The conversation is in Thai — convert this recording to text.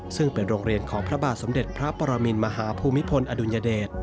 ซึ่งเป็นโรงเรียนของพระบาทสมเด็จพระปรมินมหาภูมิพลอดุลยเดช